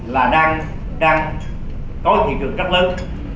là đang đang có thị trường rất lớn